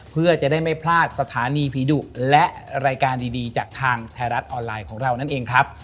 เพื่อจะได้ไม่พลาดสถานีผีดุและรายการดีจากทางไทยรัฐออนไลน์ของเรานั่นเองครับ